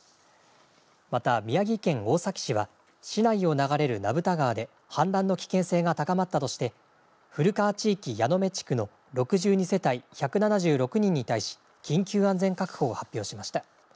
また宮城県大崎市は、市内を流れる名蓋川で氾濫の危険性が高まったとして、古川地域矢目地区の６２世帯１７６人に対し、緊急安全確保を発表しました。